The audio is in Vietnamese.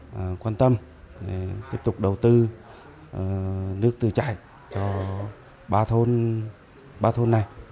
chúng tôi quan tâm tiếp tục đầu tư nước tự chảy cho ba thôn này